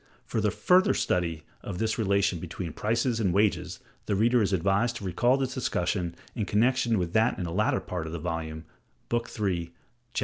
(For a further study of this relation between prices and wages the reader is advised to recall this discussion in connection with that in a later part of the volume, Book III, Chaps.